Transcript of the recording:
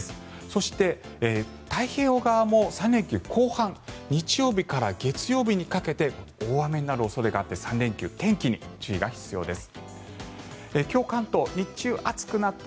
そして、太平洋側も３連休後半日曜日から月曜日にかけて大雨になる恐れがあって３連休、天気に注意が必要です。